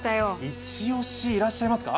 一押し、いらっしゃいますか？